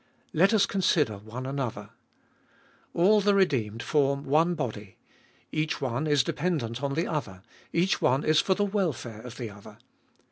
Let us consider one another. All the redeemed form one body. Each one is dependent on the other, each one is for the welfare of the other.